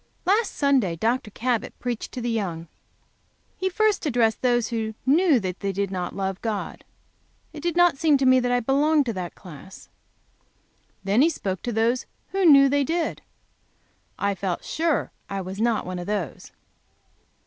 LAST Sunday Dr. Cabot preached to the young. He first addressed those who knew they did not love God. It did not seem to me that I belonged to that class. Then he spoke to those who knew they did. I felt sure I was not one of those.